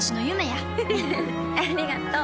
ありがとう。